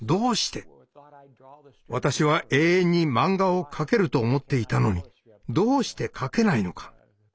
私は永遠にマンガを描けると思っていたのにどうして描けないのか？